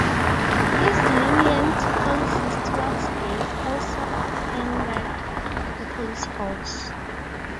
His lenient policies towards gays also angered the police force.